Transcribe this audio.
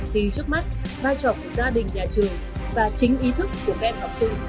thì trước mắt vai trò của gia đình nhà trường và chính ý thức của các em học sinh